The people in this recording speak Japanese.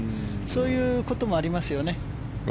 そういうこともありますよね。